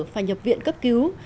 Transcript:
phải nhập viện cấp cứu